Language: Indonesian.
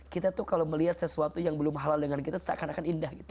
kita tuh kalau melihat sesuatu yang belum halal dengan kita seakan akan indah gitu